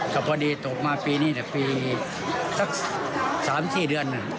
ก็พอดีตกมาปีนี้แต่ปีสัก๓๔เดือน